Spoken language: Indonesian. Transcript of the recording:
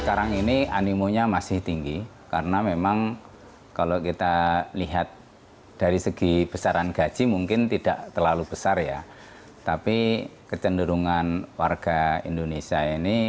pertanyaan terakhir apakah penyelamatkan ke rumah adalah salah satu korban kasus dugaan tes cpns